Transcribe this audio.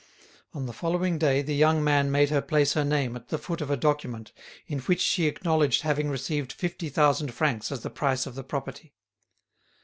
On the following day the young man made her place her name at the foot of a document in which she acknowledged having received fifty thousand francs as the price of the property.